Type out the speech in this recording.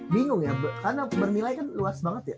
bingung ya karena bernilai kan luas banget ya